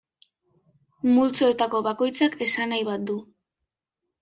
Multzoetako bakoitzak, esanahi bat du.